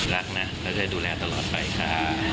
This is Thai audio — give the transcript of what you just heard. รักนะแล้วจะดูแลตลอดไปค่ะ